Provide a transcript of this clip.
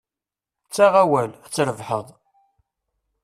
Ttaɣ awal, ad trebḥeḍ.